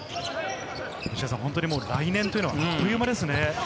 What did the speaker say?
来年というのはあっという間ですね。